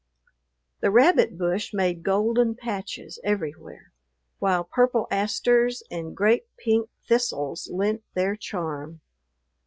The rabbit bush made golden patches everywhere, while purple asters and great pink thistles lent their charm.